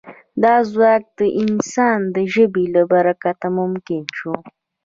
دا ځواک د انسان د ژبې له برکته ممکن شو.